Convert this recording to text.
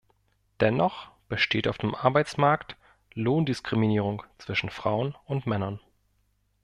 Dennoch besteht auf dem Arbeitsmarkt Lohndiskriminierung zwischen Frauen und Männern.